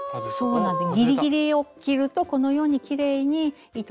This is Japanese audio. そうなんです。